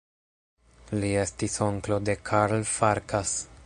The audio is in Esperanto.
Li estis onklo de Karl Farkas.